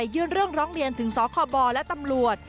ยื่นเรื่องร้องเรียนถึงสคบและตำรวจ